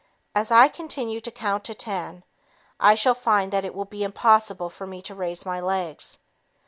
"As I continue to count to ten, I shall find that it will be impossible for me to raise my legs.